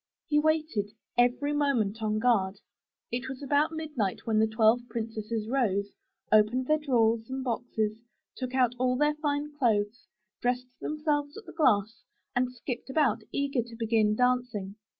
He waited, every moment on guard. It was about midnight when the twelve princesses rose, opened their drawers and boxes, took out all their fine clothes, dressed them selves at the glass, and skipped about, eager to begin dancing.